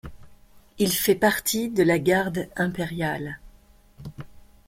Il fait partie de la garde impériale.